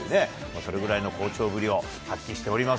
それぐらいの好調ぶりを発揮しております。